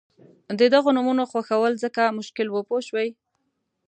د دغو نومونو خوښول ځکه مشکل وو پوه شوې!.